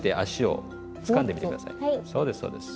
そうですそうです。